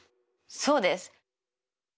そうです。